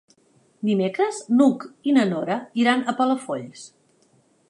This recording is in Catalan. Dimecres n'Hug i na Nora iran a Palafolls.